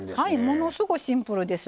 ものすごいシンプルです。